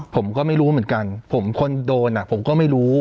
ผมก็ไม่รู้เหมือนกันผมคนโดนผมก็ไม่รู้